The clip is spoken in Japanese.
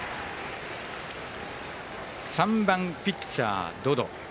３番ピッチャー、百々。